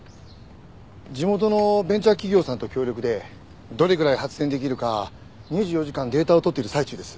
地元のベンチャー企業さんと協力でどれぐらい発電できるか２４時間データを取っている最中です。